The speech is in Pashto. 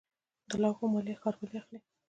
د لوحو مالیه ښاروالۍ اخلي